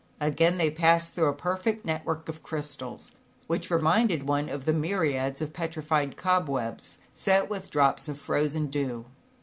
gain they passed through a perfect Iwork of crystals, which reminded pjlof I myriads of petrified cobwebs set with drops of frozen dew.